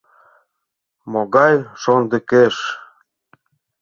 — Могай шондыкеш?